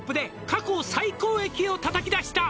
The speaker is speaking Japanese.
「過去最高益をたたき出した」